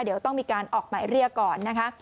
เดี๋ยวต้องมีการออกหมายเรียกก่อนนะคะ